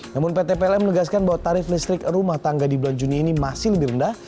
namun pt pln menegaskan bahwa tarif listrik rumah tangga di bulan juni ini masih lebih rendah